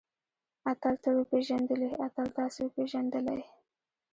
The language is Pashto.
اتل تۀ وپېژندلې؟ اتل تاسې وپېژندلئ؟